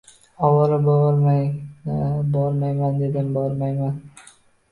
Ovora bo‘lmanglar, bormayman dedim, bormayman